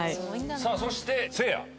さあそしてせいや。